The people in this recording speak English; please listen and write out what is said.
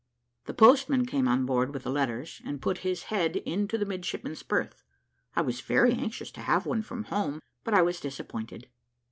The postman came on board with the letters, and put his head into the midshipmen's berth. I was very anxious to have one from home, but I was disappointed.